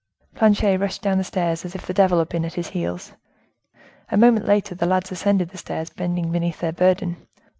Planchet rushed down the stairs, as if the devil had been at his heels. A moment later the lads ascended the stairs, bending beneath their burden.